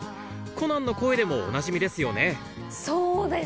コナンの声でもおなじみですよね